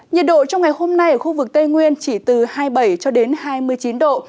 nhiệt độ trong ngày hôm nay ở khu vực tây nguyên chỉ từ hai mươi bảy cho đến hai mươi chín độ